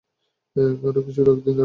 আরো কিছুদিন রাখতে চান?